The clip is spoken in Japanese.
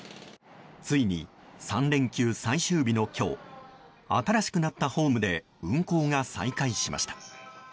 ついに３連休最終日の今日新しくなったホームで運行が再開しました。